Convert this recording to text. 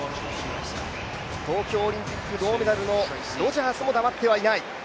東京オリンピック銅メダルのロジャースも黙ってはいない。